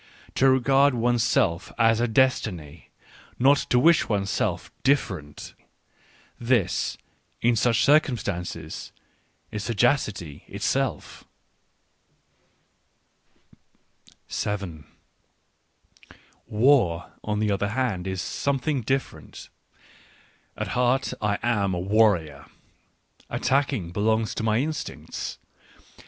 To regard one's self as a destiny, not to wish one's self " differ ent" — this, in such circumstances, is sagacity^ itself. Digitized by Google WHY I AM SO WISE 23 War, on the other hand, is something different. At heart I am a warrior. Attacking belongs to my instincts.